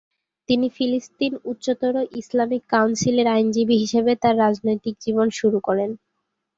তিনি ফিলিস্তিন উচ্চতর ইসলামিক কাউন্সিলের আইনজীবী হিসেবে তার রাজনৈতিক জীবন শুরু করেন।